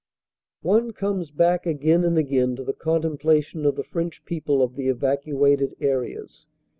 One comes back again and again to the contemplation of the French people of the evacuated areas.